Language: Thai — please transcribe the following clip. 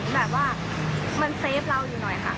แบบว่ามันเฟฟเราอยู่หน่อยค่ะ